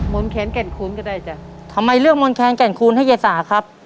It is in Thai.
มณแขนแก่นคูลก็ได้จ้ะทำไมเลือกมณแขนแก่นคูลให้ใยสาธิ์ครับ